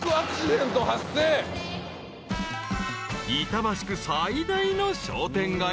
［板橋区最大の商店街で］